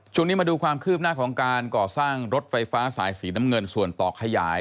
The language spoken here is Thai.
ช่วงนี้มาดูความคืบหน้าของการก่อสร้างรถไฟฟ้าสายสีน้ำเงินส่วนต่อขยาย